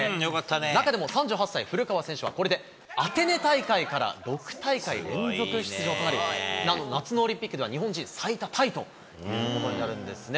中でも３８歳、古川選手は、これでアテネ大会から６大会連続出場となり、なんと夏のオリンピックでは、日本人最多タイということになるんですね。